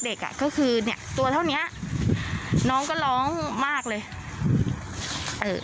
เด็กน้องก็ร้องทุกครั้งมากเลย